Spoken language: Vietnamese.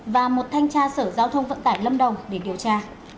và một thanh tra sở giao thông vận tải lâm đồng để điều tra